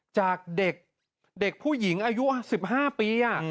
จากเด็กผู้หญิงอายุ๑๕ปี